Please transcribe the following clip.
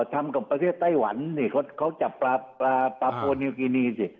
ทำกับประเทศไต้หวันนี่เขาจับปลาโปนิวกินีสิ